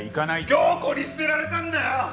響子に捨てられたんだよ！